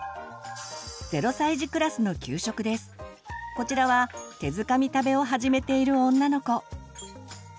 こちらは手づかみ食べを始めている女の子。